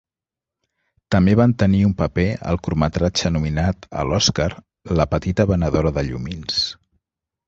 També van tenir un paper al curtmetratge nominat a l'Oscar La petita venedora de llumins.